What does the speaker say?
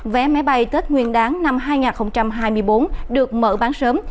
vé máy bay tết nguyên đáng năm hai nghìn hai mươi bốn được mở bán sớm